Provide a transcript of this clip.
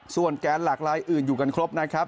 ส่วนแกนหลักลายอื่นอยู่กันครบนะครับ